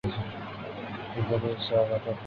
Indonesia ও Qatar প্রাক্তন সদস্য।